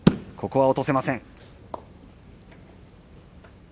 ここは落とせません。